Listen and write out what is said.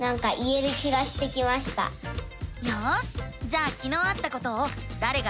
よしじゃあきのうあったことを「だれが」